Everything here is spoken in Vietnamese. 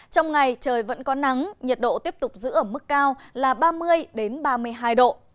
trong ngày trời vẫn có nắng nhiệt độ tiếp tục giữ ở mức cao là ba mươi ba mươi hai độ